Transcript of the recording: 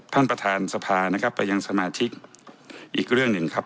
ท่านประธานสภานะครับไปยังสมาชิกอีกเรื่องหนึ่งครับ